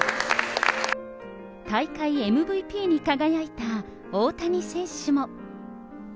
大会ＭＶＰに輝いた大谷選手も。